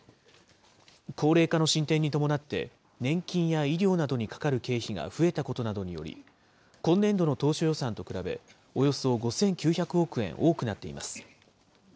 高齢化の進展に伴って、年金や医療などにかかる経費が増えたことなどにより、今年度の当初予算と比べ、およそ５９００億円多くなっています。